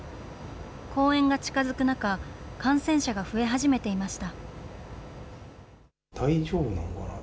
公演が近づく中、感染者が増え始めていました。